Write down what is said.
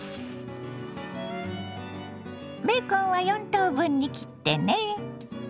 ベーコンは４等分に切ってね。